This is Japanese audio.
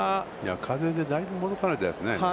風でだいぶ戻されたよね。